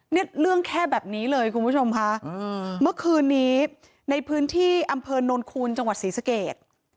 เนี่ยเรื่องแค่แบบนี้เลยคุณผู้ชมค่ะเมื่อคืนนี้ในพื้นที่อำเภอโนนคูณจังหวัดศรีสเกต